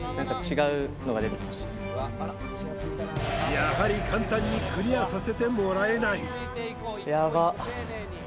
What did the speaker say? やはり簡単にクリアさせてもらえないやばっ